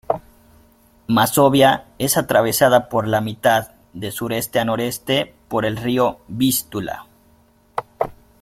Mazovia es atravesada por la mitad de sureste a noreste por el río Vístula.